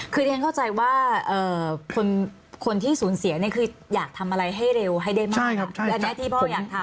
คือที่ฉันเข้าใจว่าคนที่สูญเสียเนี่ยคืออยากทำอะไรให้เร็วให้ได้มากอันนี้ที่พ่ออยากทำ